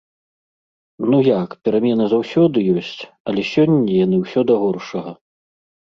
Ну як, перамены заўсёды ёсць, але сёння яны ўсё да горшага.